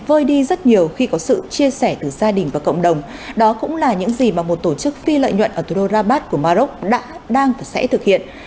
ở thủ đô rabat của mà rốc đã đang và sẽ thực hiện